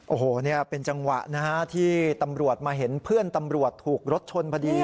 โอ้โหนี่เป็นจังหวะนะฮะที่ตำรวจมาเห็นเพื่อนตำรวจถูกรถชนพอดี